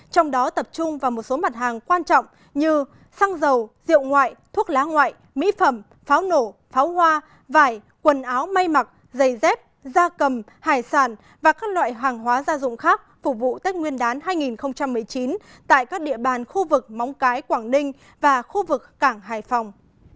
trong đó tập trung vào một số mặt hàng quan trọng như xăng dầu rượu ngoại thuốc lá ngoại mỹ phẩm pháo nổ pháo hoa vải quần áo mây mặc giày dép da cầm hải sản và các loại hàng hóa gia dụng khác phục vụ tết nguyên đán hai nghìn một mươi chín tại các địa bàn khu vực móng cái quảng đinh và khu vực cảng hải phòng